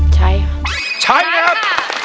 ใช้ใช้ครับ